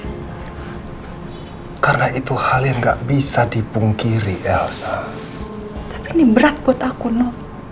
hai karena itu hal yang nggak bisa dipungkiri elsa ini berat buat aku no